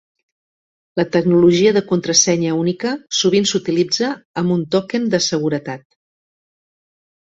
La tecnologia de contrasenya única sovint s'utilitza amb un token de seguretat.